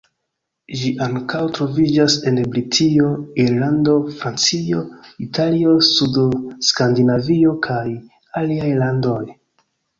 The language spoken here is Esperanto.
Ĝi ankaŭ troviĝas en Britio, Irlando, Francio, Italio, suda Skandinavio, kaj aliaj landoj.